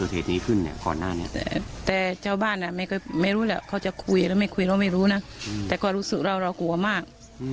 แต่ชาวบ้านไม่รู้แหละเขาจะคุยหรือไม่คุยเราไม่รู้นะแต่ความรู้สึกเราเรากลัวมาก